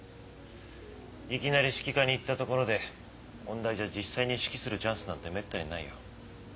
いきなり指揮科に行ったところで音大じゃ実際に指揮するチャンスなんてめったにないよ。